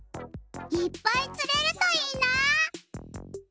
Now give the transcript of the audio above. いっぱいつれるといいな！